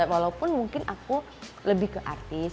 walaupun mungkin aku lebih ke artis